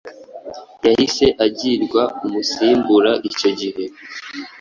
yahise agirwa umusimbura icyo gihe